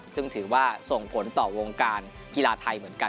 ซึ่งถือว่าส่งผลต่อวงการกีฬาไทยเหมือนกัน